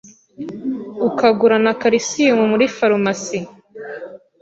ukagura na calcium muri farumasi